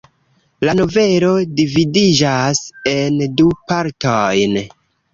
La novelo dividiĝas en du partojn.